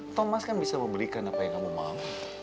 thomas kan bisa memberikan apa yang kamu mau